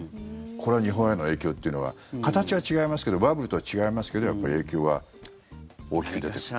これは日本への影響というのは形は違いますけどバブルとは違いますけどやっぱり影響は大きく出てしまう。